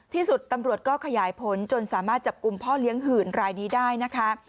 ที่สุดตำรวจก็ขยายผลจนสามารถจับกลุ่มพ่อเลี้ยงหื่นรายนี้ได้นะคะ